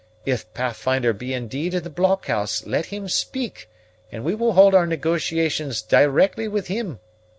If Pathfinder be indeed in the blockhouse, let him speak, and we will hold our negotiations directly with him.